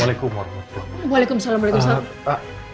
waalaikumsalam warahmatullahi wabarakatuh